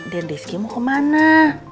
dendriski mau kemana